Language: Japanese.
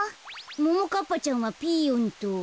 ももかっぱちゃんはピーヨンと。